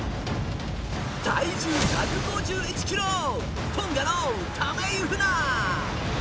体重１５１キロトンガのタメイフナ。